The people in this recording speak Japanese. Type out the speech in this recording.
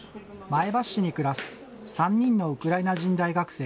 前橋市に暮らす３人のウクライナ人大学生。